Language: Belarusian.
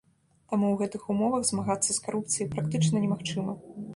Таму ў гэтых умовах змагацца з карупцыяй практычна немагчыма.